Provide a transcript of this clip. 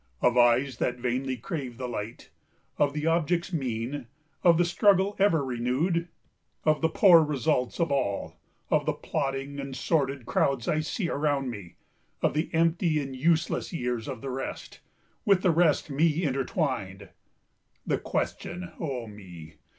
Of eyes that vainly crave the light, of the objects mean, of the struggle ever renew'd, Of the poor results of all, of the plodding and sordid crowds I see around me, Of the empty and useless years of the rest, with the rest me intertwined, The question, O me!